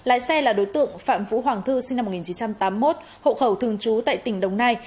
lái xe là đối tượng phạm vũ hoàng thư sinh năm một nghìn chín trăm tám mươi một hộ khẩu thường trú tại tỉnh đồng nai